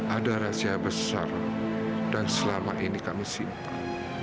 ada rahasia besar yang selama ini kamu simpan